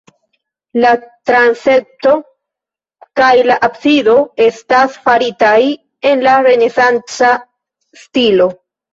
La transepto kaj la absido estas faritaj en la renesanca stilo.